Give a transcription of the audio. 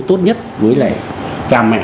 tốt nhất với lại cha mẹ